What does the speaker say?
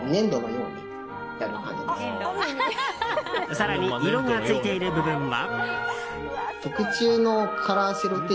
更に、色がついている部分は。